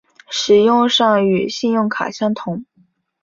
使用上与信用卡相同。